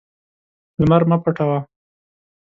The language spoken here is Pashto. لمر مه پټوه.